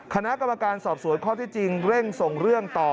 คณะกรรมการสอบสวนข้อที่จริงเร่งส่งเรื่องต่อ